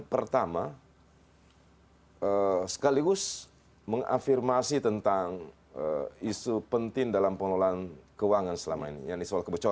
pertama sekaligus mengafirmasi tentang isu penting dalam pengelolaan keuangan selama ini